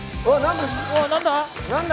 何だ？